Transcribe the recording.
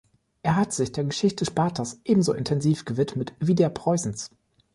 Er hat sich der Geschichte Spartas ebenso intensiv gewidmet wie der Preußens.